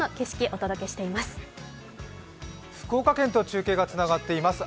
お届けしています。